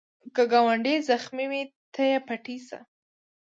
که ګاونډی زخمې وي، ته یې پټۍ شه